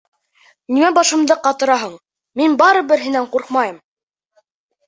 -Нимә башымды ҡатыраһың, мин барыбер һинән ҡурҡмайым.